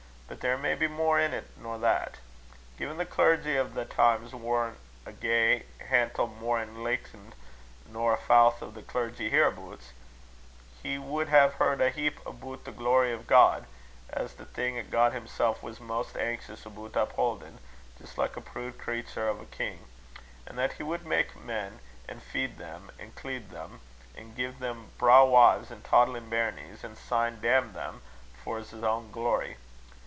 But there may be mair in't nor that. Gin the clergy o' thae times warna a gey hantle mair enlichtened nor a fowth o' the clergy hereabouts, he wad hae heard a heap aboot the glory o' God, as the thing 'at God himsel' was maist anxious aboot uphaudin', jist like a prood creater o' a king; an' that he wad mak' men, an' feed them, an' cleed them, an' gie them braw wives an' toddlin' bairnies, an' syne damn them, a' for's ain glory.